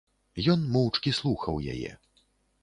Ён моўчкі слухаў яе.